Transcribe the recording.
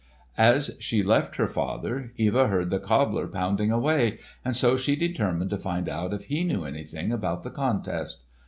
As she left her father, Eva heard the cobbler pounding away, and so she determined to find out if he knew anything about the contest.